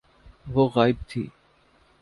وہ غائب تھی۔